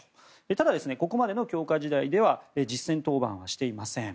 ただ、ここまでの強化試合では実戦登板はしていません。